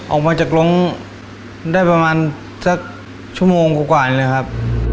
ออกมาจากลงได้ประมาณสักชั่วโมงกว่าเลยครับ